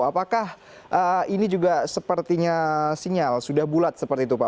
apakah ini juga sepertinya sinyal sudah bulat seperti itu pak